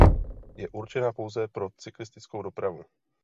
Je určena pouze pro cyklistickou dopravu.